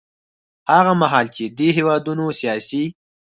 هغه مهال چې دې هېوادونو سیاسي